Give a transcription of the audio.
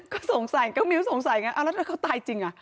ก็สงสัยก็มิ้วสงสัยไงแล้วถ้าเขาตายจริงอ่ะ